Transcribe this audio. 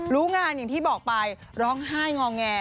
รู้งานอย่างที่บอกไปร้องไห้งอแง